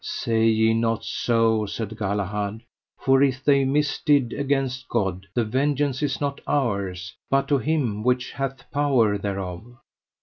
Say ye not so, said Galahad, for if they misdid against God, the vengeance is not ours, but to Him which hath power thereof.